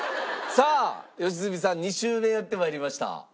さあ良純さん２周目やって参りました。